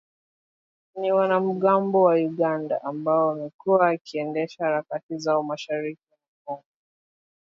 ni wanamgambo wa Uganda ambao wamekuwa wakiendesha harakati zao mashariki mwa Kongo